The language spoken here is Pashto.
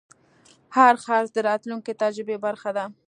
هر خرڅ د راتلونکي تجربې برخه ده.